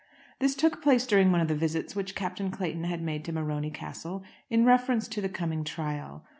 This took place during one of the visits which Captain Clayton had made to Morony Castle in reference to the coming trial.